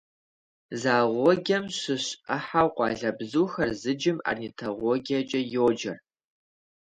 Зоологием щыщ Ӏыхьэу къуалэбзухэр зыджым орнитологиекӀэ йоджэ.